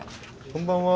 こんばんは。